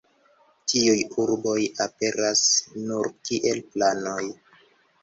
Tiuj urboj aperas nur kiel planoj.